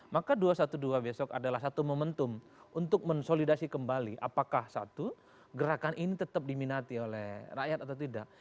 maka dua ratus dua belas besok adalah satu momentum untuk mensolidasi kembali apakah satu gerakan ini tetap diminati oleh rakyat atau tidak